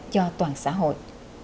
cho toàn xã hội